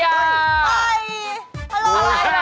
ฮัลโหลแม้ว่าแม่ฟังที่ไทยเลนด์